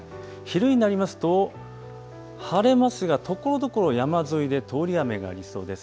昼になりますと晴れますがところどころ山沿いで通り雨がありそうです。